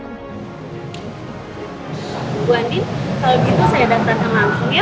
bu andin kalau gitu saya datang langsung ya